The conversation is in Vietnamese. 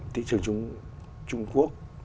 thị trường trung quốc